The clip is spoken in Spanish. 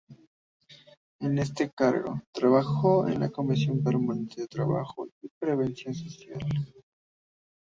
En este cargo, trabajó en la comisión permanente de Trabajo y Previsión Social.